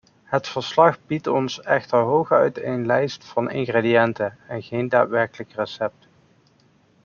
Het verslag biedt ons echter hooguit een lijst van ingrediënten en geen daadwerkelijk recept.